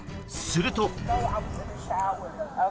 すると。